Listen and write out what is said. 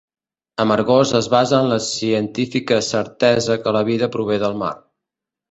Amargós es basa en la científica certesa que la vida prové del mar.